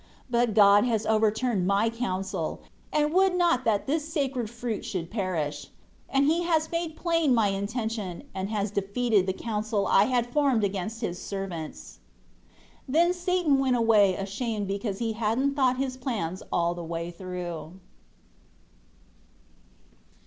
5 But God has overturned my counsel; and would not that this sacred fruit should perish; and He has made plain my intention, and has defeated the counsel I had formed against His servants." 6 Then Satan went away ashamed because he hadn't thought his plans all the way through.